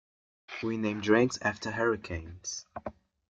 We name drinks after hurricanes.